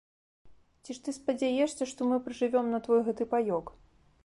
Ці ж ты спадзяешся, што мы пражывём на твой гэты паёк?